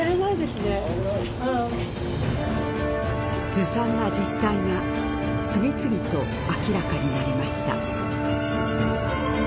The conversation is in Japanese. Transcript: ずさんな実態が次々と明らかになりました。